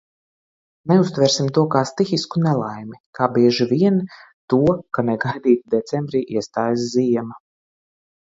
Neuztversim to kā stihisku nelaimi, kā bieži vien to, ka negaidīti decembrī iestājas ziema!